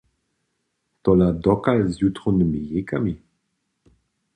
Tola dokal z jutrownymi jejkami?